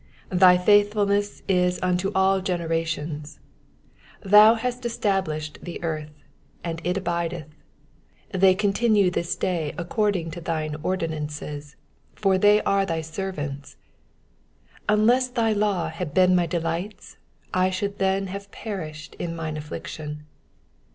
90 Thy faithfulness is unto all generations : ^thou hast es tablished the earth, and it abideth. 91 They continue this day according to thine ordinances : for all are thy servants. 92 Unless thy law Aad been my delights, I should then have perished in mine affliction.